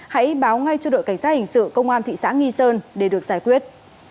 hãy báo ngay cho đội cảnh sát hình sự công an thị xã nghi sơn để được giải quyết